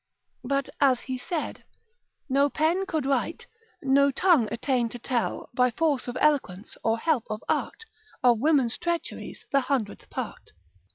But as he said, No pen could write, no tongue attain to tell, By force of eloquence, or help of art, Of women's treacheries the hundredth part.